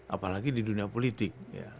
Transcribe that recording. apalagi di dunia politik